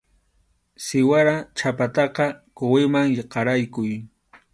Siwara chhapataqa quwiman qaraykuy.